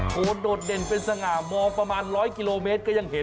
โอ้โหโดดเด่นเป็นสง่ามองประมาณ๑๐๐กิโลเมตรก็ยังเห็น